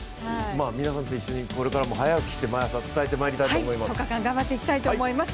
皆さんと一緒にこれからも早起きして毎朝伝えていきたいと思います。